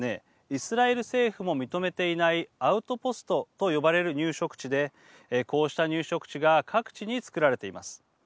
イスラエル政府も認めていないアウトポストと呼ばれる入植地でこうした入植地が各地につくられています。